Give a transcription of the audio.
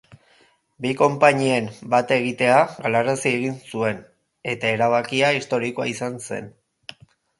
Bi konpainien bat-egitea galarazi egin zuen, eta erabakia historikoa izan zen.